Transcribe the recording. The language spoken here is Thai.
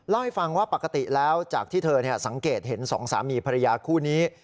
ให้ฟังว่าปกติแล้วจากที่เธอสังเกตเห็นสองสามีภรรยาคู่นี้